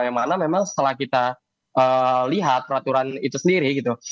yang mana memang setelah kita lihat peraturan itu sendiri gitu